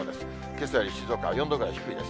けさより静岡は４度ぐらい低いです。